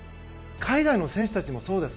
海外の選手たちもそうです。